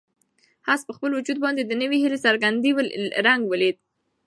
آس په خپل وجود باندې د نوې هیلې ځانګړی رنګ ولید.